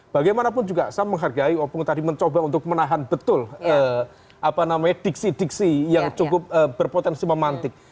bagaimanapun juga saya menghargai om bung tadi mencoba untuk menahan betul apa namanya diksi diksi yang cukup berpotensi memantik